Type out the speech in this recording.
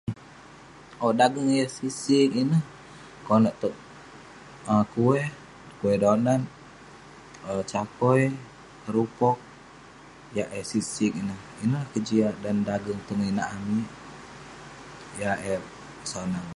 Owk, dageng yah sig-sig ineh. Konak tog um kueh, kueh donat, um cakoi, kerupok. Yah eh sig-sig ineh. Ineh kejiak dan dageng tong inak amik, yah eh sonang.